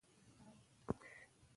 دا تمرین په ګروپي بڼه هم ترسره کېدی شي.